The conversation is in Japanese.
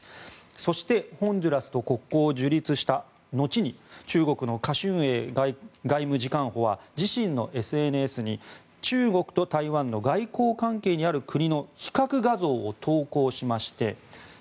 そして、ホンジュラスと国交を樹立した後に中国のカ・シュンエイ外務次官補は自身のＳＮＳに中国と台湾の外交関係にある国の比較画像を投稿しまして。